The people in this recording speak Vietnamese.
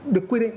được quy định